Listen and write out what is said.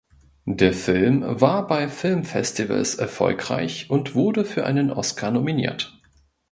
Der Film war bei Filmfestivals erfolgreich und wurde für einen Oscar nominiert.